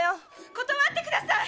・断ってください！